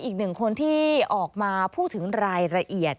อีกหนึ่งคนที่ออกมาพูดถึงรายละเอียด